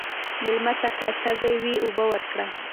مېلمه ته که تږی وي، اوبه ورکړه.